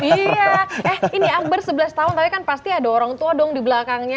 iya eh ini akbar sebelas tahun tapi kan pasti ada orang tua dong di belakangnya